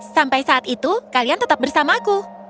sampai saat itu kalian tetap bersama aku